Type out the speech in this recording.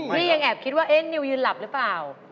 นี่ยังแอบคิดว่านิวยืนหลับหรือเปล่า